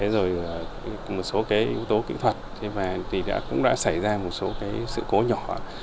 rồi một số yếu tố kỹ thuật cũng đã xảy ra một số sự cố nhỏ